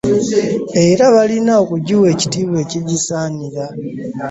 Era balina okugiwa ekitiibwa ekigisaanira